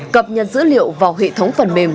cập nhật dữ liệu vào hệ thống phần mềm